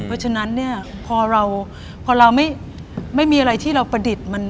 เพราะฉะนั้นเนี่ยพอเราไม่มีอะไรที่เราประดิษฐ์